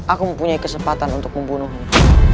aku mempunyai kesempatan untuk membunuhmu